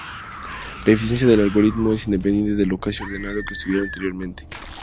La eficiencia del algoritmo es independiente de lo casi ordenado que estuviera anteriormente.